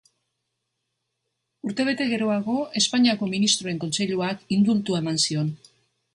Urtebete geroago, Espainiako Ministroen Kontseiluak indultua eman zion.